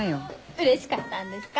うれしかったんですか？